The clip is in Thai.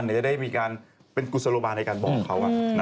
เดี๋ยวจะได้มีการเป็นกุศโลบาในการบอกเขา